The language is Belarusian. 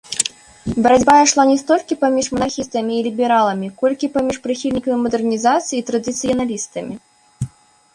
Барацьба ішла не столькі паміж манархістамі і лібераламі, колькі паміж прыхільнікамі мадэрнізацыі і традыцыяналістамі.